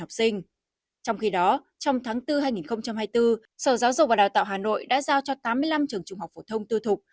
trong khi đó trong tháng bốn hai nghìn hai mươi bốn sở giáo dục và đào tạo hà nội đã giao cho tám mươi năm trường trung học phổ thông tư thục